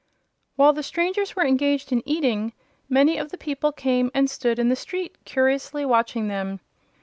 While the strangers were engaged in eating, many of the people came and stood in the street curiously watching them.